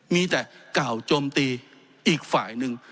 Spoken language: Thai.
มีแต่เก่าโจมตีอีกฝ่ายหนึ่ง